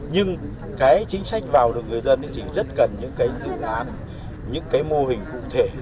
nhưng cái chính sách vào được người dân thì chỉ rất cần những dự án những mô hình cụ thể